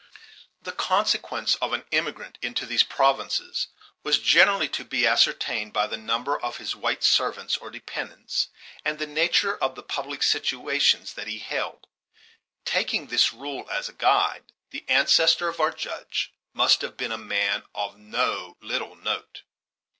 The consequence of an emigrant into these provinces was generally to be ascertained by the number of his white servants or dependents, and the nature of the public situations that he held. Taking this rule as a guide, the ancestor of our Judge must have been a man of no little note.